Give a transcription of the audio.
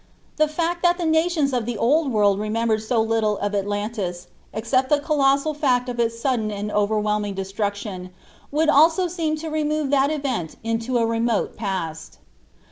The fact that the nations of the Old World remembered so little of Atlantis, except the colossal fact of its sudden and overwhelming destruction, would also seem to remove that event into a remote past.